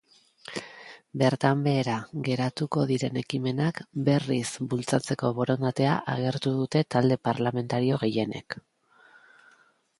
Bertan behera geratuko diren ekimenak berriz bultzatzeko borondatea agertu dute talde parlamentario gehienek.